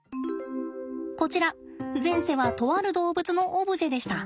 こちら前世はとある動物のオブジェでした。